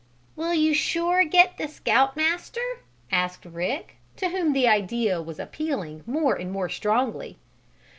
"Will you sure get the Scout Master?" asked Rick, to whom the idea was appealing more and more strongly.